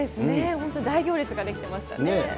本当に大行列が出来てましたね。